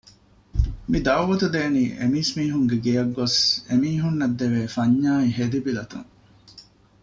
މި ދަޢުވަތު ދޭނީ އެ މީސްމީހުންގެ ގެޔަށް ގޮސް އެ މީހުންނަށް ދެވޭ ފަންޏާއި ހެދިބިލަތުން